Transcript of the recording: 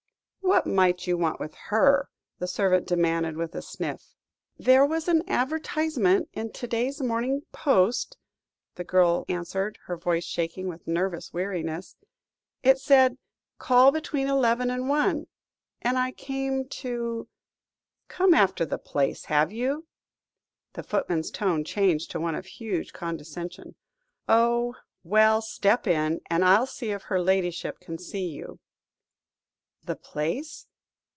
"What might you want with her?" the servant demanded with a sniff. "There was an advertisement in to day's Morning Post," the girl answered, her voice shaking with nervous weariness; "it said, 'call between eleven and one' and I came to " "Come after the place, have you?" the footman's tone changed to one of huge condescension. "Oh! well, step in, and I'll see if her ladyship can see you." "The place!